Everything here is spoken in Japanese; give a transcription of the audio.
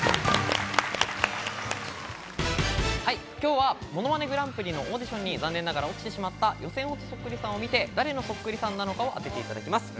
今日は『ものまねグランプリ』のオーディションに残念ながら落ちてしまった、予選落ちそっくりさんを見て、誰のそっくりさんなのかを当てていただきます。